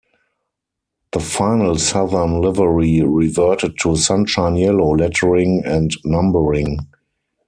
The final Southern livery reverted to 'Sunshine Yellow' lettering and numbering.